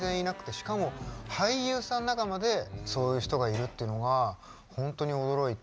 しかも俳優さん仲間でそういう人がいるっていうのが本当に驚いて。